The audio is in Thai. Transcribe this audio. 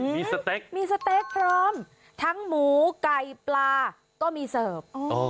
มีสเต็กมีสเต๊กพร้อมทั้งหมูไก่ปลาก็มีเสิร์ฟ